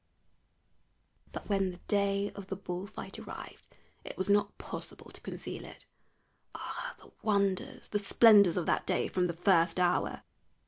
But when the day of the bull fight arrived it was not possible to conceal it. Ah! the wonders, the splendors of that day from the first hour!